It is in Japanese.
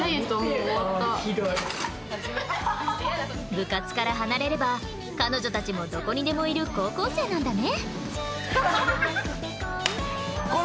部活から離れれば彼女たちもどこにでもいる高校生なんだね。